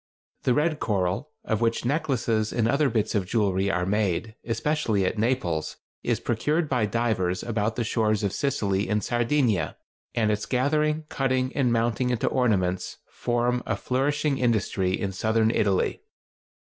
The red coral of which necklaces and other bits of jewelry are made, especially at Naples, is procured by divers about the shores of Sicily and Sardinia, and its gathering, cutting and mounting into ornaments, form a flourishing industry in southern Italy.